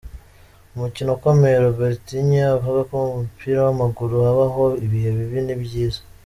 umukino ukomeye, Robertinho avuga ko mu mupira w’amaguru habaho ibihe bibi n’ibyiza